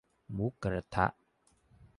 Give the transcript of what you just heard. หมูกะทะ